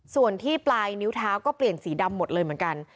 ส่วนที่ปลายนิ้วเท้าก็เปลี่ยนสีดำหมดเลยเหมือนกัน